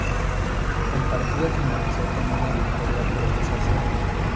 El partido finalizó con una victoria por dos a cero.